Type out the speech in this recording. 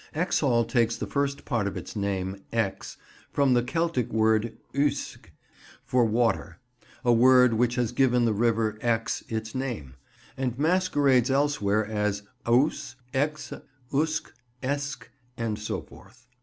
Exhall takes the first part of its name, "ex," from the Celtic word uisg, for water: a word which has given the river Exe its name, and masquerades elsewhere as Ouse, Exe, Usk, Esk, and so forth.